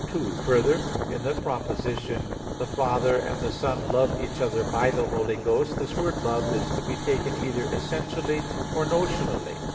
2: Further, in the proposition, "The Father and the Son love each other by the Holy Ghost," this word "love" is to be taken either essentially or notionally.